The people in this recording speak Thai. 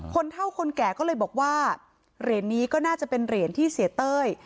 เท่าคนแก่ก็เลยบอกว่าเหรียญนี้ก็น่าจะเป็นเหรียญที่เสียเต้ย